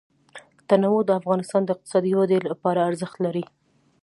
تنوع د افغانستان د اقتصادي ودې لپاره ارزښت لري.